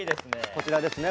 こちらですね